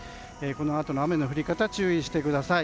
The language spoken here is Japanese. このあとの雨の降り方に注意してください。